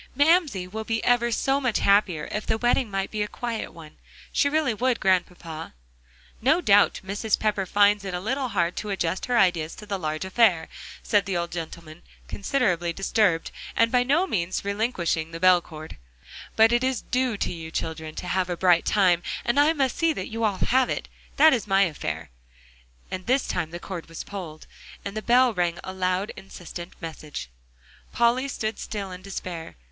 "Mamsie will be ever so much happier if the wedding might be a quiet one. She really would, Grandpapa." "No doubt Mrs. Pepper finds it a little hard to adjust her ideas to the large affair," said the old gentleman, considerably disturbed, and by no means relinquishing the bell cord, "but it is due to you children to have a bright time, and I must see that you all have it. That is my affair," and this time the cord was pulled, and the bell rang a loud, insistent message. Polly stood still in despair.